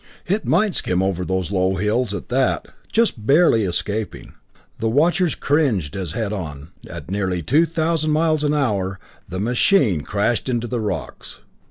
It might skim above those low hills at that just barely escaping.... The watchers cringed as head on, at nearly two thousand miles an hour, the machine crashed into the rocks.